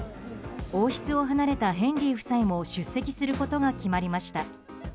王室を離れたヘンリー夫妻も出席することが決まりました。